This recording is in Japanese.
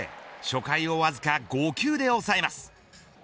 初回をわずか５球で抑えます。